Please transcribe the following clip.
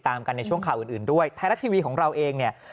ตามกันในช่วงข่าวอื่นอื่นด้วยไทยรัฐทีวีของเราเองเนี่ย